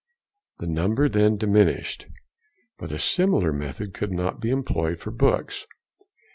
The number then diminished. But a similar method could not be employed for books.